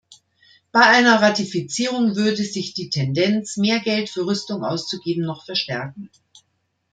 Bei einer Ratifizierung würde sich die Tendenz, mehr Geld für Rüstung auszugeben, noch verstärken.